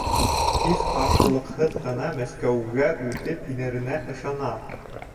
Һис ҡаршылыҡһыҙ ғына Мәскәүгә үтеп инеренә ышана.